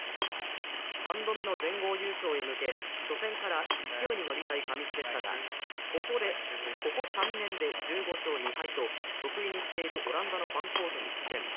３度目の全豪優勝へ向け初戦から勢いに乗りたい上地でしたがここ３年で１５勝２敗と、得意にしているオランダのファンコートに苦戦。